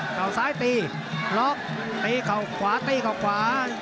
เขาซ้ายตีล็อกตีเข่าขวาตีเขาขวา